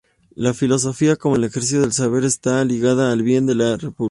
La filosofía, como el ejercicio del saber, está ligada al bien de la república.